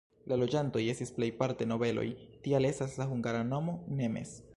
La loĝantoj estis plejparte nobeloj, tial estas la hungara nomo "nemes".